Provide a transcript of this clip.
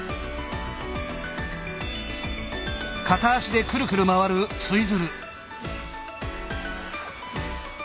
片足でくるくる回るツイズル。